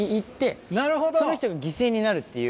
その人が犠牲になるっていう。